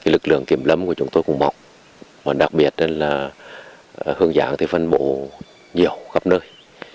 lực lượng kiểm lâm của chúng tôi cũng mọc đặc biệt là hương ráng phân bộ nhiều khắp nơi